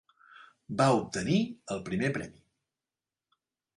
Va obtenir el primer premi.